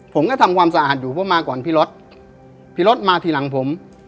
ผมก็ทำความสะอาดอยู่เพราะมาก่อนพี่รถพี่รถมาทีหลังผม